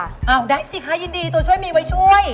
เอาได้สิคะยินดีตัวช่วยมีไว้ช่วย